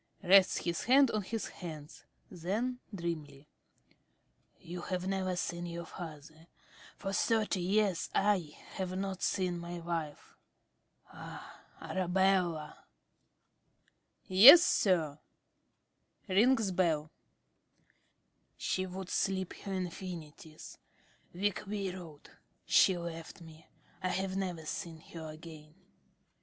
(Rests his head on his hands. Then, dreamily.) You have never seen your father; for thirty years I have not seen my wife.... Ah, Arabella! ~Jones.~ Yes, sir. (Rings bell.) ~Smith.~ She would split her infinitives.... We quarrelled.... She left me.... I have never seen her again. ~Jones.